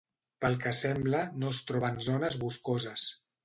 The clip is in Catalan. Pel que sembla, no es troba en zones boscoses.